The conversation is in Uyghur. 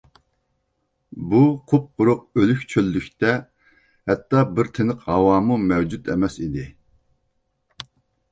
بۇ قۇپقۇرۇق ئۆلۈك چۆللۈكتە ھەتتا بىر تىنىق ھاۋامۇ مەۋجۇت ئەمەس ئىدى.